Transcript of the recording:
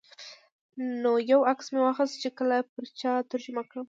نو یو عکس مې واخیست چې کله یې پر چا ترجمه کړم.